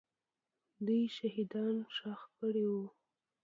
دوی شهیدان ښخ کړي وو.